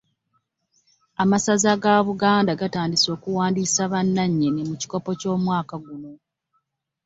Amasaza ga Buganda gatandise okuwandiisa abazannyi mu kikopo ky'omwaka guno.